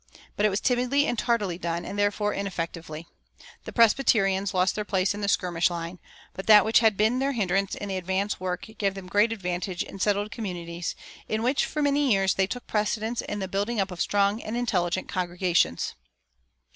But it was timidly and tardily done, and therefore ineffectively. The Presbyterians lost their place in the skirmish line; but that which had been their hindrance in the advance work gave them great advantage in settled communities, in which for many years they took precedence in the building up of strong and intelligent congregations.